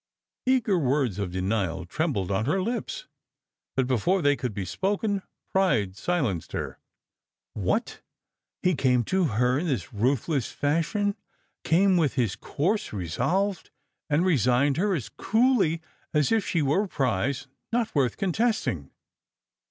Eager words of denial trembled on her lips, but, before they could be spoken, pride silenced her. What ! he came to her il this ruthless fashion, came with his course resolved, and resigned her as coolly as if she were a prize not worth contesting.